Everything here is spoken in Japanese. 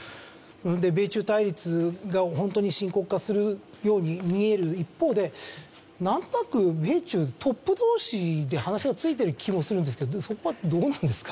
米中対立がホントに深刻化するように見える一方でなんとなく米中トップ同士で話がついてる気もするんですけどそこはどうなんですか？